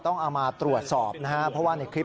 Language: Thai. มอบเปล่ามอบป่าวครับ